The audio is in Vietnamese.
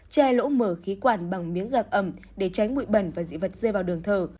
chai lỗ mở khí quản bằng miếng gạc ẩm để tránh bụi bẩn và dị vật rơi vào đường thở